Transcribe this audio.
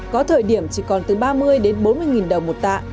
có thời điểm chỉ còn từ ba mươi đến bốn mươi nghìn đồng một tạ